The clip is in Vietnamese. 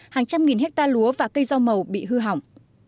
hàng trăm nghìn hectare lúa và cây rau màu bị hư hỏng